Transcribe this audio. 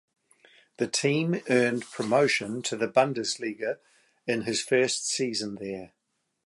The team earned promotion to the Bundesliga in his first season there.